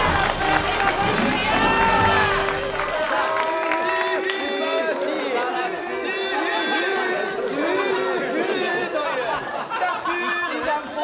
見事、クリア！